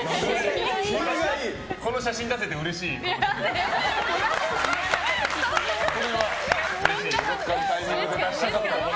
この写真出せてうれしいんだ。